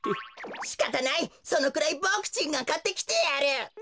しかたないそのくらいボクちんがかってきてやる。